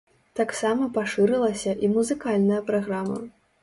Таксама пашырылася і музыкальная праграма.